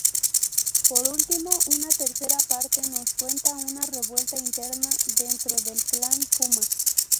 Por último, una tercera parte nos cuenta una revuelta interna dentro del clan Fuma.